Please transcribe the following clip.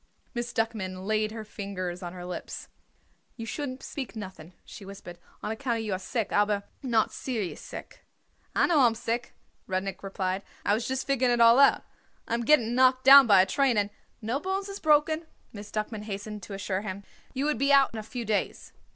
Miss Duckman laid her fingers on her lips. "You shouldn't speak nothing," she whispered, "on account you are sick, aber not serious sick." "I know I am sick," Rudnik replied. "I was just figuring it all out. I am getting knocked down by a train and " "No bones is broken," Miss Duckman hastened to assure him. "You would be out in a few days."